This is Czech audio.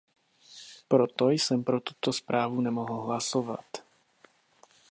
Proto jsem pro tuto zprávu nemohl hlasovat.